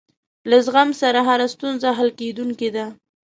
له زغم سره هره ستونزه حل کېدونکې ده.